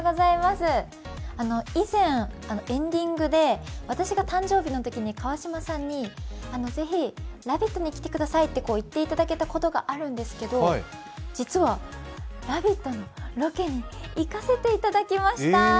以前、エンディングで私が誕生日のときに、川島さんにぜひ、「ラヴィット！」に来てくださいと言っていただけたことがあるんですけど、実は「ラヴィット！」のロケに行かせていただきました！